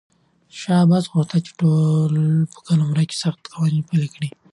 شاه عباس غوښتل چې په ټول قلمرو کې سخت قوانین پلي کړي.